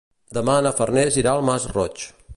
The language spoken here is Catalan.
Demà na Farners irà al Masroig.